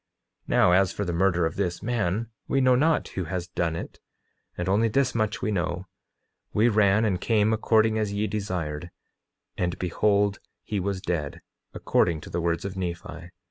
9:15 Now, as for the murder of this man, we know not who has done it; and only this much we know, we ran and came according as ye desired, and behold he was dead, according to the words of Nephi.